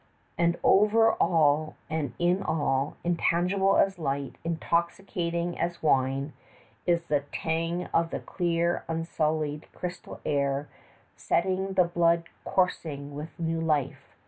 And over all and in all, intangible as light, intoxicating as wine, is the tang of the clear, unsullied, crystal air, setting the blood coursing with new life.